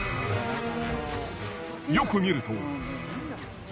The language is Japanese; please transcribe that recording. よく見ると。